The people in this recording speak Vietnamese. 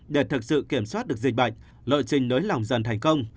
để thực sự kiểm soát được dịch bệnh lợi trình nới lòng dần thành công